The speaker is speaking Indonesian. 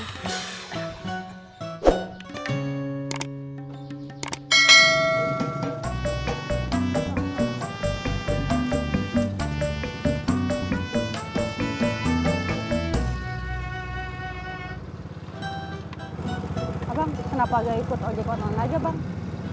abang kenapa gak ikut ojek online aja bang